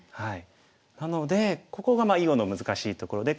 なのでここが囲碁の難しいところで。